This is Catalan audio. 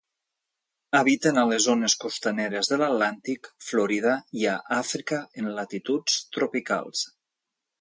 Habiten a les zones costaneres de l'Atlàntic, Florida i a Àfrica en latituds tropicals.